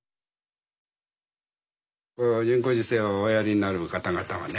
人工授精をおやりになる方々はね